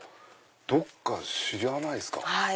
どっか知らないですか？